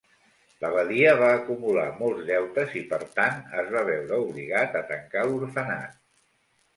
L'abadia va acumular molts deutes i per tant es va veure obligat a tancar l'orfenat.